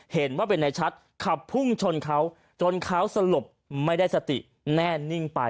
เห็นว่าเป็นในชัดขับพุ่งชนเขาจนเขาสลบไม่ได้สติแน่นิ่งไป